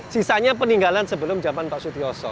sisanya peninggalan sebelum zaman pak sutioso